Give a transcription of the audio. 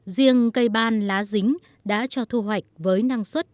riêng cây ban lá dính đã cho thu hoạch với năng suất